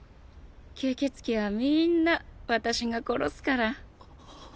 吸血鬼はみんな私が殺すから。